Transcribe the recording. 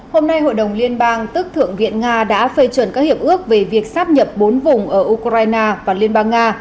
hôm nay hội đồng liên bang tức thượng viện nga đã phê chuẩn các hiệp ước về việc sắp nhập bốn vùng ở ukraine và liên bang nga